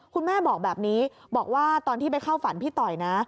คุณแม่บอกแบบนี้บอกว่าตอนที่ไปเข้าฝันพี่ต่อยนะ